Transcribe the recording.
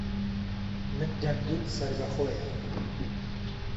من دهمگوت سەر به خۆيه